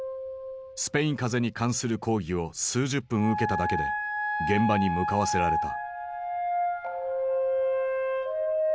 スペイン風邪に関する講義を数十分受けただけで現場に向かわせられた。